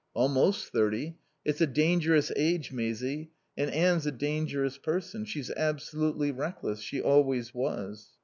"Almost thirty. It's a dangerous age, Maisie. And Anne's a dangerous person. She's absolutely reckless. She always was."